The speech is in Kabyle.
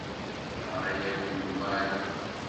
Teɣra-awen-d Mary.